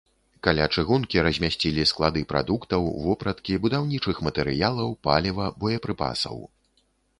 Каля чыгункі размясцілі склады прадуктаў, вопраткі, будаўнічых матэрыялаў, паліва, боепрыпасаў.